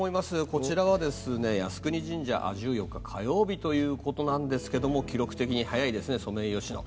こちらは靖国神社１４日火曜日ということなんですが記録的に早いですねソメイヨシノ。